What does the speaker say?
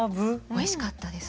おいしかったです。